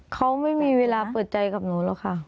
เขาไม่มีเวลาเปิดใจกับหนูหรอกค่ะ